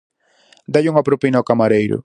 Dálle unha propina ao camareiro!